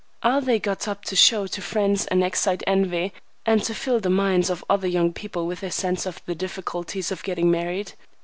Are they got up to show to friends and excite envy, and to fill the minds of other young people with a sense of the difficulties of getting married?